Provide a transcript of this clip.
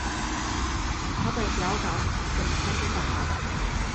它的脚爪整天都在滑倒